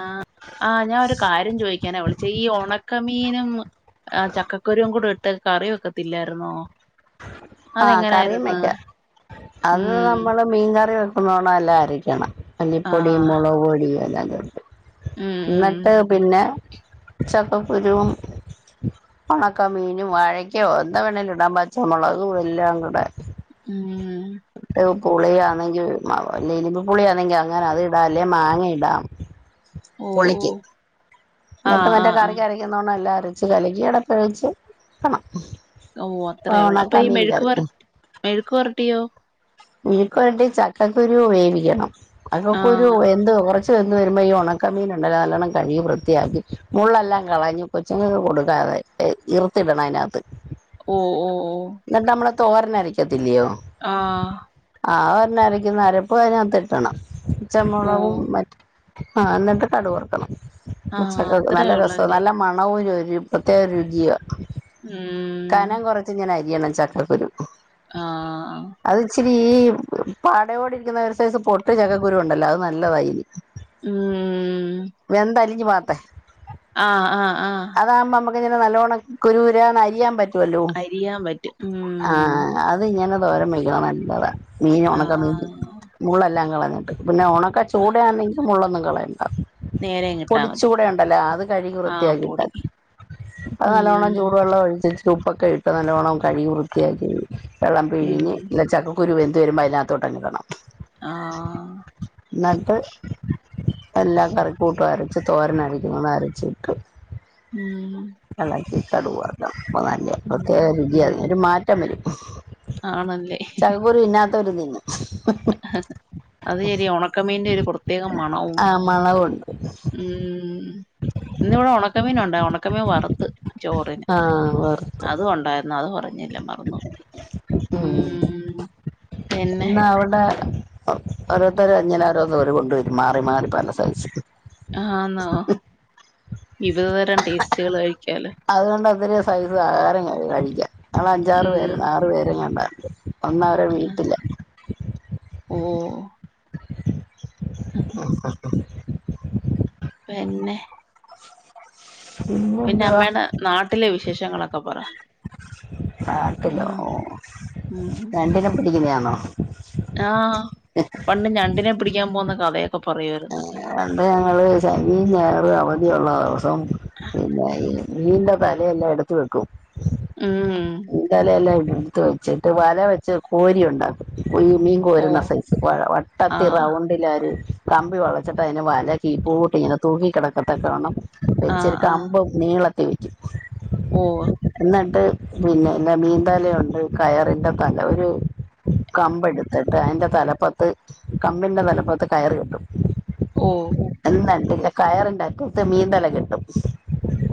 ആഹ് ആഹ് ഞാൻ ഒരു കാര്യം ചോദിക്കാനാ വിളിച്ചേ ഈ ഒണക്കമീനും ആ ചക്കകുരും കൂടെട്ട് കറിവെക്കത്തില്ലായിരുന്നോ? ആഹ് കറിയും വെക്ക അത് ഉം നമ്മള് മീൻകറി വെക്കുന്നോണം എല്ലാം അരിക്കണം മല്ലി പൊടി ആഹ് മുളോ പൊടിയും എല്ലാം ഉം എന്നിട്ട് ഉം പിന്നെ ചക്കക്കുരുവും ഒണക്ക മീനും വാഴക്കയും എന്താ വേണേൽ ഇടാൻ പച്ചമുളകും എല്ലാം കൂടെ മ്മ് പുളിയാണെങ്കിൽ ഇലിമ്പ് പുളിയാണെങ്കിൽ അങ്ങനെ അത് ഇടാം അല്ലെ മാങ്ങ ഇടാം ഓ ഓ പുളിക്ക് എന്നിട്ട് ആഹ് മറ്റേ ആഹ് ആഹ് കറിക്ക് അരക്ക തോണണം എല്ലാം അരച്ചു കലക്കി പഴച്ച് കാണാം ഓഹ് അത്രേ ഉള്ളൂ അപ്പൊ ഈ മെഴുക്ക് വ മെഴുക്ക് വരട്ടിയോ മെഴുക്ക് വരട്ടി ചക്കക്കുരു വേവിക്കണം ചക്കക്കുരു ആഹ് എന്ത് കൊറ ച്ച് വെന്തു വരുമ്പൊ ഈ ഒണക്കമീനൊണ്ടെല്ലോ നല്ലോണം കഴുകി വൃത്തിയാക്കി മുള്ളല്ലാം കളഞ്ഞ് കൊച്ചുങ്ങക്ക് കൊടുക്കാതെ എഹ് ഇർത്തിടണം അതിനാത്ത് ഓഹ് ഓഹ് ഓഹ് എന്നിട്ട് നമ്മള് തോരന് അരക്കത്തില്ലയോ ആഹ് ആ ഓരനരക്കുന്ന അരപ്പ് അയ്നാത്തിട്ടണം ഓ പച്ചമൊളവും മ ആഹ് എന്നിട്ട് കടു വറ്ക്കണം ആഹ് ഉച്ചക്കക്ക് അത്രേ നല്ല രസവ ഉള്ളല്ലേ നല്ല മണവുനൊര് പ്രത്യേക രുചിയുവ ഉം കനം കൊറച്ചിങ്ങന അരിയണം ചക്കക്കുരു ആഹ് അത് ഇച്ചിരി ഈ പാടയോടിരിക്കു‌ന്ന ഒര്സൈസ് പൊട്ട് ചക്കക്കുരു ഒണ്ടല്ലോ അത് നല്ലതാ ഇയിനി ഉം വെന്തലിഞ്ഞു പോകാത്തെ ആഹ് ആഹ് ആഹ് അതാവുമ്പ നമ്മ‌ക്കിങ്ങന നല്ലോണം കുരുകുരാന്ന് അരിയാൻ പ റ്റുവല്ലൊ അരിയാൻ പറ്റും ഉം ആഹ് അതിങ്ങന തോരൻ വെയ്ക്കണം നല്ലതാ മീൻ ഒണക്ക മീൻ ആഹ് മുള്ളല്ലാം കളഞ്ഞിട്ട് പിന്ന ഒണ ക്ക ചൂടയാന്നെങ്കി മുള്ളൊന്നും കളയണ്ട നേരം കിട്ടാ മതി പൊടിച്ചൂട ഒണ്ടല്ലോ അത് കഴുകി ആഹ് പൊടി വൃത്തിയാക്കിട്ടാതി അത് നല്ലോണം ഉം ചൂട് വെള്ളം ഒഴിച്ചേച്ച് ഇച്ചി ഉപ്പക്ക ഇട്ട് നല്ലോണം കഴുകി വൃത്തിയാക്കി വെള്ളം ഉം പിഴിഞ്ഞ് [unintelligible] ചക്ക കുരു വെന്ത് വരുമ്പ അതിനാത്തോട്ടങ്ങിടണം ആഹ് എന്നട്ട് എല്ലാ കറിക്കൂട്ടും അരച്ച് തോരന് അരക്കുന്ന അരച്ചിട്ട് ഉം എളക്കി കടു വറ്ക്കണം അപ്പൊ നല്ല ഉം പ്രത്യേക രുചിയാ ഉം അതിന് ഒരു മാറ്റം വരും ആണല്ലേ ക്കകുരു തിന്നാത്തോരും തിന്നും അത് ശെരിയാ ഒണക്കമീന്റ ഒരു പ്രത്യേക മണവും ആ മണവുണ്ട് ഉം ഇന്നിവിട ഒണക്കമീനൊണ്ട് ഒണക്കമീൻ വറത്ത് ചോറിന് ആഹ് വറുത്തു അതും ഒണ്ടായിരുന്ന് അത് പറഞ്ഞില്ല മറ ഉം പിന്നെ ഇന്നവിട ഓരോര്ത്തര് ഇങ്ങന [unintelligible] കൊണ്ട് വരും മാറിമാറി പല സൈസ് ആന്നോ വിവിധതരം ടേസ്റ്റുകള് കഴിക്കാലോ അത്കൊണ്ട് ഒത്തിരി സൈസ് ആഹാരങ്ങള് കഴിക്കാം ഞങ്ങള് അഞ്ചാറ് ഉം പേര് ആറ് പേരങ്ങാണ്ടാ ഒന്നവര വീട്ടില് ഓഹ് അഹ് അഹ് അഹ് പെന്നെ പിന്നെ പിന്നെന്തുവാ അമ്മേടെ നാട്ടിലെ വിശേഷങ്ങളൊക്ക പറ ഉം നാട്ടിലോ ഓഹ് ഉം ഞണ്ടിന പിടിക്കുന്നയാണോ ആഹ് പണ്ട് ഞണ്ടിനെ പിടിക്കാൻ പോകുന്ന കഥയൊക്ക പറയുവാരുന്ന് പണ്ട് ഞങ്ങള് ശനിയും ഞായറും അവധിയൊള്ള ദെവസം പിന്നെ ഈ മീന്റെ തല എല്ലാം എടുത്ത് വെക്കും ഊംഉം. മീന്തലയെല്ലാം എടുത്ത് വെച്ചിട്ട് വല വെച്ച് കോരിയുണ്ടാക്കും ഈ മീൻ പോരുന്ന സൈസ് വഴ വട്ടത്തി റൗ ണ്ടിലാര് കമ്പി വളച്ചിട്ട് അയിന് വല കീപ്പോട്ട് ഇങ്ങനെ തൂങ്ങി കെടകക്കെത്തക്ക വണ്ണം വെച്ച് ഒര് കമ്പ് നീളത്തി വെക്കും. എന്നിട്ട് പിന്നയ്ൻ്റെ മീന്തലയൊണ്ട് കയറിൻ്റെ തല. ഒരു കമ്പ് എടുത്തിട്ട് അയിൻ്റെ തലപ്പത്ത് കമ്പിന്റ തലപ്പത്ത് കയറ് കെട്ടും. ഓഹ്. [unintelligible] കയറിൻ്റെ അറ്റത്ത് മീന്തല കെട്ടും.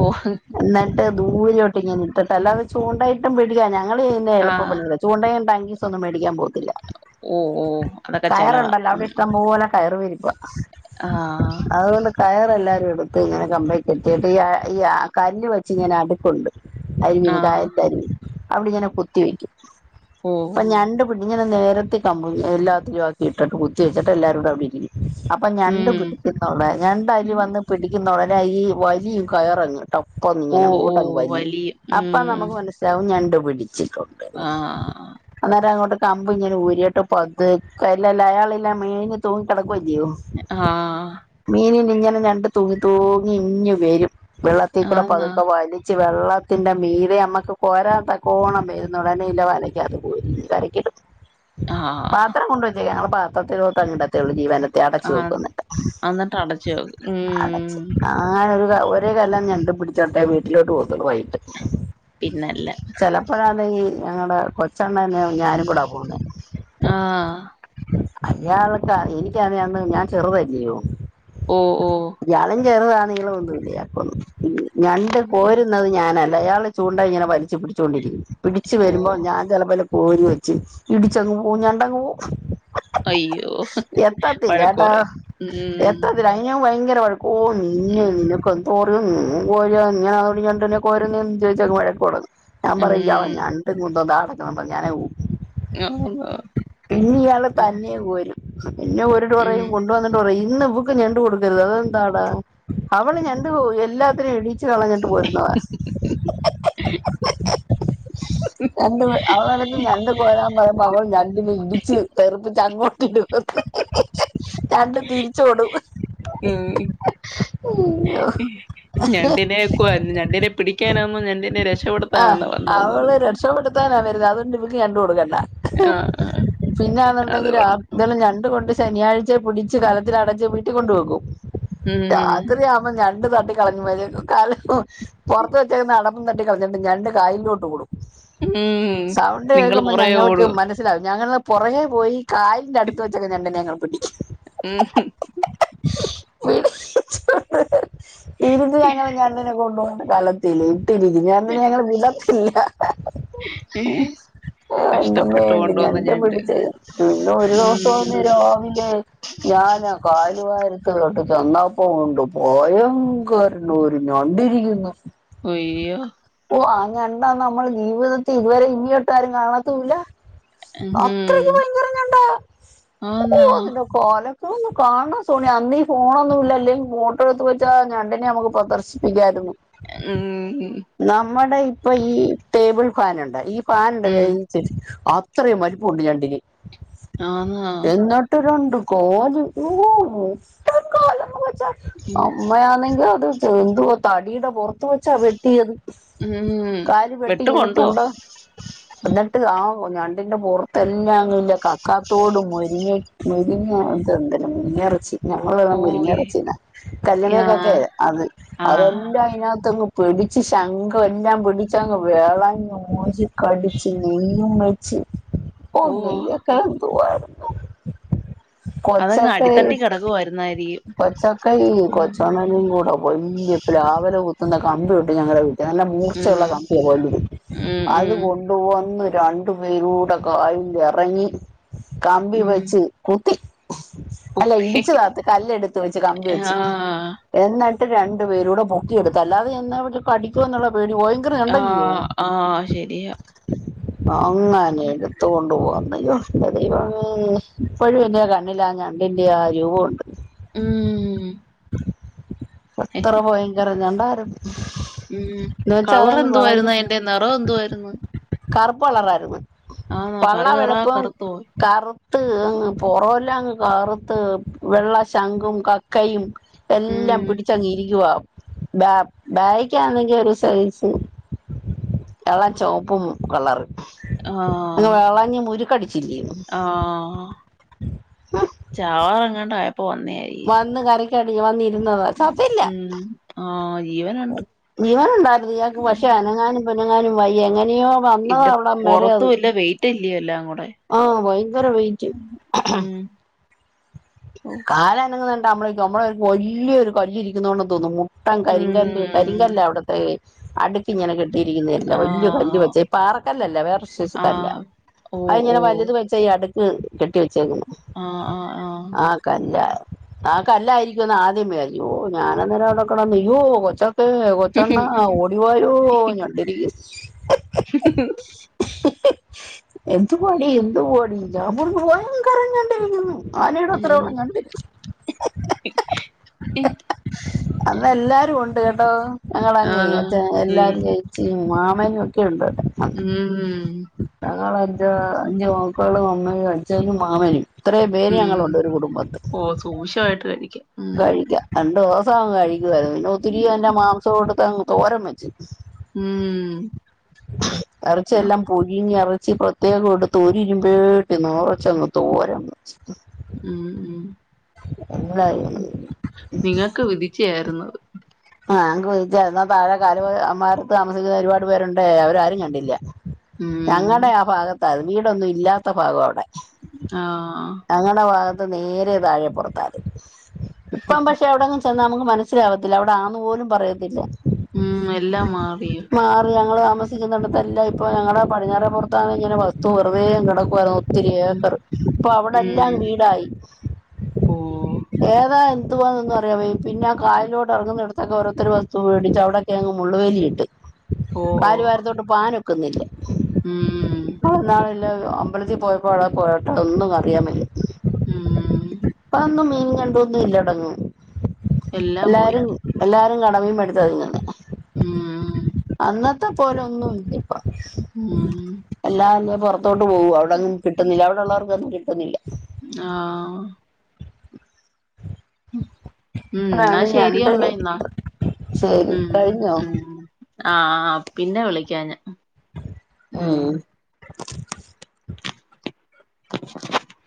ഓഹ്. ഇന്നട്ട് ദൂരോട്ട് ഇങ്ങനെ ഇട്ടിട്ട് അല്ലാതെ ചൂണ്ടയിട്ടും പിടിക്കാ. ഞങ്ങൾ പിന്നെ എളുപ്പ പണി [unintelligible] ചൂണ്ടയും ടങ്കീസ് ഒന്നും മേടിക്കാൻ പോവത്തില്ല. അതൊക്കെ ചെലവാ. കയറുണ്ടല്ലോ അവിടെ ഇഷ്ടം പോലെ കയറ് വിരിപ്പ്. ആഹ്. അതുകൊണ്ട് കയറെല്ലാവരും എടുത്ത് ഇങ്ങനെ കമ്പേയി കെട്ടിയിട്ട് ഈ ഈ ആ കല്ല് വെച്ച് ഇങ്ങനെ അടുക്കുണ്ട്. ആ, അരിവിന് കായത്ത് അരിവിന് അവിടെ ഇങ്ങനെ കുത്തി വെക്കും. ഓ, അപ്പം ഞണ്ട് പിട് ഇങ്ങനെ നേരത്തെ കമ്പും എല്ലാത്തിലും ആക്കി ഇട്ടിട്ട് കുത്തി വെച്ചിട്ട് എല്ലാരൂടെ അവിടെ ഇരിക്കും. അപ്പൊ ഞണ്ട് ഉം, പിടിക്കുന്നവ്ടെ ഞണ്ട് അയ്ല് വന്ന് പിടിക്കുന്ന ഉടനെ ഈ വലിയും കയറങ്. ട്ടപ്പോന്നും ഓ, ഇങ്ങനെ ഓ, അങ്ങോട്ടങ് വലി വലിയ, ഉം. നമുക്ക് മനസ്സിലാവും ഞണ്ട് പിടിച്ചിട്ടുണ്ട്. ആ, അന്നേരം അങ്ങോട്ട് കമ്പ് ഇങ്ങനെ ഊരിട്ട് പത്ക്കെ ഇല്ലെ അയാളില്ലാം മേഞ്ഞ് തൂങ്ങി കിടക്കുവല്ലിയോ. ആഹ്. മീന് ന് ഇങ്ങനെ ഞണ്ട് തൂങ്ങി തൂങ്ങി ഇഞ്ഞ് വരും. വെള്ളത്തിക്കൂടെ ആന്ന്, പതുക്കെ വലി ച്ച് വെള്ളത്തിന്റെ മീ തേ നമ്മക്ക് കോരാൻ തക്കോണം വരും ന്നുടനെ ഇല്ലെ വലക്ക്യകത്ത് കോരി കരക്കിടും. ആ, പാത്രം കൊണ്ടുവെച്ചേ ഞങ്ങൾ പാത്രത്തിലോട്ട് അങ്ങിടത്തേ ഉള്ളൂ. ജീവന ത്തെ അടച്ചു ആ, വെക്കും ന്നട്ട്. എന്നിട്ട് അടച്ചു വെക്കും. അടച്ച് ഉം, ആങ്ങനെ ഒരു ക ഒരു കലം ഞണ്ട് പിടിച്ചോട്ടേ വീട്ടിലോട്ട് പോവത്തൊള്ളു വൈകിട്ട്. പിന്നല്ല. ഇപ്പഴാണെങ്കി ഞങ്ങടെ കൊച്ചണ്ണന് ഞാനും കൂടാ പോവുന്നേ. ആ, അയാൾക്ക എനിക്കാന്നേ അന്ന് ഞാൻ ചെറുതല്ല്യോ. ഓഹ് ഓ ഇയാളും ചെറുതാണ് നീള ഒന്നുല്യ ഇയാക്കൊന്നും. അപ്പൊ ഞണ്ട് ഉം, കോരുന്നത് ഞാനല്ല. അയാള് ചൂണ്ട ഇങ്ങനെ വലിച്ചു പിടിച്ചോണ്ടിരിക്കും. പിടിച്ച് ഓ, വരുമ്പോ ഞാൻ ചെലപ്പയ്ല് കോരി വെച്ച് ഇടിച്ചങ്ങ് പോവും ഞണ്ടങ്ങ് പോവും. അയ്യോ എത്തത്തില്ല വഴക്ക് ട്ടാ പറയും ഉം ഉം. [unintelligible] ഭയങ്കര വഴക്കോ നിന്ന് നിനക്ക [unintelligible] നീ കോരിയാ ഇങ്ങനാണോടി ഞണ്ടിനെ കോരുന്നേന്നും ചോയ്ച്ചങ്ങ് വഴക്ക് തൊടങ്ങും. ഞാൻ ഉം, പറയും ഇയാള് ഞണ്ടും കുന്തോം ദാ കടക്ക്ന്ന് [unintelligible] ഞാനങ്ങ് പോവും. [unintelligible] പിന്നെ ഇയാള് തന്നെ കോരും. പിന്നെ ഓരോട് ഉം. പറയും കൊണ്ട് വന്നിട്ട് പറയും ഇന്ന് ഇവക്ക് ഞണ്ട് കൊട് ക്കര്ത് അതെന്താടാ അവള് ഞണ്ട് എല്ലാത്തിനെം ഇടീച്ച് കളഞ്ഞിട്ട് പോരുന്നതാ. രണ്ട് അവളോടൊന്ന് ഞണ്ട് കോരാൻ പറയുമ്പ അവൾ ഞണ്ട്നെ ഇടിച്ച് തെറ്പ്പിച്ച് അങ്ങോട്ടിടും [unintelligible] രണ്ട് തിരിച്ചോടും ഉം [unintelligible] ഓഹ് ഞണ്ടിനെ വെക്കുവാരുന്നു ഞണ്ടിനെ പിടിക്കാനാണോ ഞണ്ടിനെ ആഹ് രക്ഷപ്പെടുത്താനാന്നോ വന്ന അവള് രക്ഷപപ്പെടുത്താനാ വരുന്നത് അതുകണ്ട് ഇവക്ക് ഞണ്ട് കൊടുക്കണ്ട ആഹ് ആഹ് അത് പിന്നാന്നുണ്ടെങ്കിൽ കൊള്ളാം അതല്ലാം ഞണ്ട് കൊണ്ട് ശനിയാഴ് ച പിടിച്ച് കലത്തിടച്ച് വീട്ടിൽ കൊണ്ട് പോകും ഉം രാത്രി ആവുമ്മ ഞണ്ട് തട്ട കളഞ്ഞ് കാല പുറത്ത് വച്ചേന്ന അടപ്പും തട്ടി കളഞ്ഞിട്ട് ഞണ്ട് കായലിലോട്ട് ഓടും ഉം സൗണ്ട് നിങ്ങള് കേൾക്കുമ്പോ പുറകെ ഞങ്ങക്ക് ഓടോ മന സിലാവും ഞങ്ങൾ പൊറകെ പോയി കായലിൻ്റെ അടുത്ത് വെച്ചക്കെ ഞണ്ട്നെ ഞങ്ങൾ പിടി ഉം ഹും തീരിച്ചു ഞങ്ങൾ ഞണ്ടിനെ കൊണ്ടു പോവും കലത്തില് ട്ടിരിക്കും ഞണ്ടിനെ ഞങ്ങള് വിടത്തില്ല ഉം എന്തുമീണ്ടി ഞണ്ട് പിടിച്ച് പിന്നെ ഒരു ദിവസം ഉം അന്ന് രാവിലെ ഞാനാ ആ കായലുവാരത്തിലോട്ട് ചെന്നപ്പോ ഒണ്ട് ഭയങ്കര നൊരൂ ഞണ്ടിരിക്കുന്നു ഒയ്യോ ഓ അ ഞണ്ടാ നമ്മൾ ജീവിതത്തിൽ ഇതുവരെ ഇനിയൊട്ടും ആരും കാണാത്തൂല്ല ഉം അത്രക്ക് ഭയങ്കര ഞണ്ടാ ഓ ആന്നോ അതിന കാലക്ക ഒന്ന് കാണണം സോണി അന്ന് ഫോണ് ഒന്നും ഇല്ലേല്ലേ ഫോട്ടോ എടുത്ത് വെച്ചാ ഞണ്ടിനെ ഞമ്മക്ക് പൊറത്ത് പ്രേദർശിപ്പിക്കരുന്നു ഉം നമ്മടെ ഇപ്പൊ ഈ ടേബിൾ ഫാൻ ഒണ്ട് ഈ ഫാന് ഉം ഒണ്ടല്ല ശരി അത്രയും വലുപ്പം ഒണ്ട് ഞണ്ടിന് ആന്നോ ആവോ എന്നിട്ട് രണ്ട് കാല് ഓ മുട്ടൻ കാല് വെച്ചാ ഉം അമ്മയാന്നെങ്കിൽ അത് എന്തോ തടിടെ പൊറത്ത് തു വെച്ചാ വെട്ടിയത് ഉം കാല് വെട്ടി ഇങ്ങനെ വെട്ടുകൊണ്ടോ തുണ്ട് എന്നിട്ട് ആ ഞണ്ടിന്റെ പൊറത്ത് എല്ലാം പിന്നെ കക്കാത്തോടും മുനിങ്ങ മുനിങ്ങ എന്തല്ല മുനിങ്ങ എറച്ചി ഞങ്ങള് പറയണത് ഓ മുനിങ്ങ എറച്ചിനാ യാ കല്ലുമേക്കക്ക അത് ആ ആ അതെല്ലാം അയിനാത്ത് അങ്ങ് പിടിച്ച് ശംഖു എല്ലാം പിടിച്ച് അങ്ങ് വേളഞ്ഞ് മോചി കടിച്ച് നെയ്യും ച ഒ ഓ നെയ്യോക്കെ എന്തുവായിരുന്നു അതങ്ങ് കൊച്ചക്കായി അടിത്തട്ടി കിടക്കുവായിരുന്നായിരിക്കും കൊച്ചക്കായി ഉം കൊച്ചോണേലും കൂടും വല്യ പ്ലാവല കുത്തുന്ന കമ്പി ഒണ്ട് ഞങ്ങളുടെ വീട്ടില് നല്ല മൂർച്ച ഒള്ള ഉം കമ്പ ഒണ്ട് വലുത് ഇത് ഉം അതുകൊ വന്ന് രണ്ടു പേരൂടെ കായലിൽ ഇറങ്ങി കമ്പി ഉം വെച്ച് കുത്തി അല്ല കുത്തി ഇടിച്ചു താത്തി കല്ലെടുത്ത് വെച്ച് കമ്പി വെച്ച് ആഹ് എന്നട്ട് രണ്ടു പേര് കൂടെ പൊക്കി എടുത്തു അല്ലാതെ എന്ന കടിക്കോ എന്നുള്ള പേടി ഭയങ്കര ഞണ്ട് ആ അല്ലേ ആഹ ശരിയാ അങ്ങനെ എടുത്ത് കൊണ്ട് വന്ന് അയോ എന്റെ ദൈവമേ ഇപ്പഴും എന്റെ കണ്ണില ആ ഞണ്ടിന്റെ ആ രൂപ ഒണ്ട് ഉം ഉം അത്ര ഭയങ്കര ഞണ്ടായിരിന്ന് ഉം കളറ് എന്തുവായിരുന്നു അയിന്റെ നറം എന്തുവായിരുന്നു കറുപ്പ് കളറായിരുന്നു ആന്നോ പള്ള കറു കറാ വെളുപ്പും കറുത്തു പോയി കറുത്ത് അങ്ങ് പൊറം എല്ലാം അങ്ങ് കറുത്ത് വെള്ള ശംഖും കക്കയും എല്ലാം ഉം പിടി ക്കുവാ ബാ ബാക്ക് ആണെങ്കിൽ ഒരു സൈസ് എള ചൊപ്പും കളറ് അങ്ങ് ആഹ് വെളഞ്ഞി മുരുക്കടിച്ച്ല്ലേര്ന്നു ചാവാറങ്ങാണ്ട് അയപ്പോ വന്നേയി വന്ന് കരക്കടിഞ്ഞു വന്നിരുന്നത ചത്തില്ല ഉം ആഹ് ജീവന- ജീവനുണ്ടായിരുന്നു ഇയാക്ക് പക്ഷേ അനങ്ങാനും പെനങ്ങാനും വയ്യ എങ്ങനെയോ വന്നതാ അവട മെരേ അത് ട്ടില്ലി എല്ലാംക്കൂടെ ആഹ് ഭയങ്കര വെയിറ്റ് ഉം കാലനങ്ങ്ന്നെണ്ടാ അമ്മളിക്കും അമ്മളായാരിക്കും വല്ല്യരു കല്ലിരിക്കുന്നോണ്ടെന്ന് തോന്നും മു ത്തം കരിങ്കല്ല് ഉം കരിങ്കല്ലാ അവിട്ത്തെ അടുക്കിങ്ങനെ കെ ട്ടിരിക്കുന്നേല്ല ആ വല്ല്യ കല്ല് വെച്ചെ പാറക്കല്ലല്ല വേറൊര് സൈസ് ആ കല്ല ഓ ഓ അയ്ങ്ങനെ വലുത് വെച്ച ഈ അടുക്ക് കെട്ടി വെച്ചേക്കു ആഹ് ആഹ് ആഹ് അഹ് ക്കല്ലാ ആഹ് ക്കല്ലായിരിക്ക്യൂന്ന് ആദ്യം വിയാര്ച്ച് ഓഹ് ഞാനന്നേരം അവിടെക്കെടന്ന് യ്യോ കൊച്ചൊക്കെ കൊച്ചണ്ണ ഓടിവായോ ഞണ്ടിരിക്കി എന്തുവാടി എന്തുവാടി ഞാം പറഞ്ഞു ഭയങ്കരം ഞെണ്ടിരിക്കുന്നു ആനയുടെ ഉം അത്രയുള്ള ഞണ്ട് ഏ, അന്നെല്ലാരും ഉണ്ട് കേട്ടോ ആ ഞങ്ങളങ്ങൈ അച്ഛന എല്ലാരും ഉം ചെയ് ച്ചൈ മാമനും ഒക്കെ ഉണ്ടേടെ ഉ ഉം ഞങ്ങളഞ്ച് അഞ്ച് മക്കളും അമ്മയും അച്ചനും മാമനും വേനി ഉം ഞങ്ങളുണ്ട് ഒരു കുടുംബത്ത് ഓ സൂക്ഷ്മമായിട്ട് കഴിക്കാം ഉം കഴിക്ക രണ്ടോസങ്ങ് കഴിക്കുവായിരുന്നു പിന്നെ ഒത്തിരി ഉം അയ്ന്റെ മാംസൊട്ത്തങ്ങ് തോരം വെച്ച്. ഉം ആ, എറച്ചെല്ലാം പൊഴിഞ്ഞറച്ചി പ്രത്യേകൊടുത്ത് ഒരുരിമ്പേട്ടിന്നെറച്ചങ്ങ് തോരം വെച്ച്. ഉം ഉം എല്ലാരും അങ്ങ് ഉം തിന്നു. നിങ്ങക്ക് വിധിച്ചയാര്ന്നത്. ആഹ് ഞക്ക് വേദിച്ച എന്നാ തഴെ കാല് അമാരത്ത് താമസിക്കുന്ന ഒരുപാട് പേരുണ്ടേ അവരാരും കണ്ടില്ല്യ ഞങ്ങടെ ഉം ആ ഭാഗത്താത് വീടൊന്നും ഇല്ലാത്ത ഭാഗാവിടെ ആഹ് ഞങ്ങടെ ഭാഗത്ത് നേരെ താഴെ പുറത്താതി ഇപ്പം പക്ഷെ പക്ഷേ അവിടെങ്ങും ചെന്നാ നമുക്ക് മനസ്സിലാവത്തില്ല. അവിടാന്ന് പോലും പറയത്തില്ല. ഉം എല്ലാം മാറിയോ മാറി ഞങ്ങള് താമസി സിക്കുന്നടത്തെല്ലാം ഇപ്പൊ ഞങ്ങടെ പടിഞ്ഞാറെ പൊറത്താണ് ഇങ്ങനെ വസ്തു വെറുതെയങ്ങ് കിടക്കുവായിരുന്നു ഒത്തിരി ഉം ഏക്കർ. ഇപ്പൊ ഉം അവിടെല്ലാം വീടായി ഓ ഏതാ എന്തുവാന്നൊന്നും അറിയാൻ വയ്യ പിന്നെ കായലോട്ടെറങ്ങുന്നെടുത്തൊക്കെ ഓരോത്തരു വസ്തു വേടിച്ചവ്ടെ ക്കെ അങ്ങ് മുള്ളു വേലിയിട്ട് ഓ ഓ കാലിവാരിത്തോട്ട് പോകാനൊക്കുന്നില്ല ഉം ഇന്നാളൊ അമ്പലത്തിൽ പോയപ്പോ അവടെ പോയട്ട് ഒന്നും അറിയാൻ വയ്യ മ്മ് അപ്പൊന്നും മീൻ കണ്ടൂന്നും ഇല്ലടങ്ങും എല്ലാം പോയി എല്ലാരും എല്ലാരും കട മീൻ മേടിച്ചാ തിന്നുന്നെ മ്മ് അന്നത്തെ പോലൊന്നും ഇല്ല ഇപ്പം ഉം എല്ലാന്ന പൊറ ത്തോട്ട് പോവ അവിടെങ്ങും കിട്ടുന്നില്ല അവിടെള്ളോർക്കൊന്നും കിട്ടുന്നില്ല ആഹ് ഉം എന്നാ അതാണ് ഞണ്ട് ശെരിയമ്മേയ്ന്നാ ശരി ഉം കഴിഞ്ഞോ ഉം ആഹ് പിന്നെ വിളിക്കാ ഞാൻ ഉം മ്മ് [unintelligible]